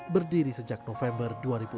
berdiri sejak november dua ribu enam belas